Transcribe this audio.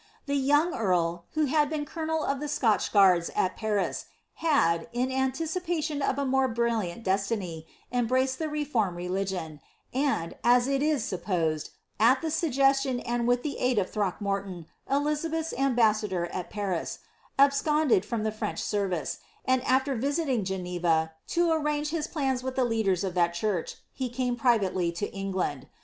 The young earl, who had been colonel of the Scotch guards at Paris, had, in anticipation of a more brilliant destiny, embraced the reformed religion, and, as it was supposed, at the suggestion and with the aid of Throckmorton, Eliza belh''s ambassador at Paris, absconded from the French service; and after visiting Geneva, to arrange his plans with the leaders of that church, he came privately to England.